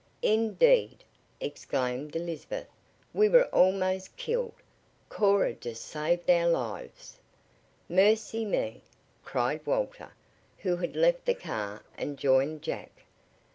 "Indeed!" exclaimed Elizabeth. "We were almost killed! Cora just saved our lives!" "Mercy me!" cried Walter, who had left the car and joined Jack.